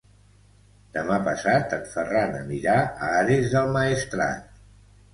Demà passat en Ferran anirà a Ares del Maestrat.